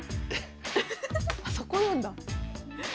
あそこなんだ。